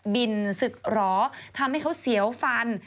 บินศึกหรอทำให้เขาเสียวฟัน